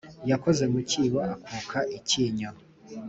yakoze mu cyibo akuka icyinyo